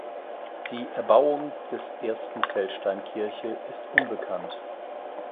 Die Erbauung des ersten Feldsteinkirche ist unbekannt.